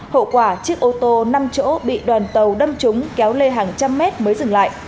hậu quả chiếc ô tô năm chỗ bị đoàn tàu đâm trúng kéo lê hàng trăm mét mới dừng lại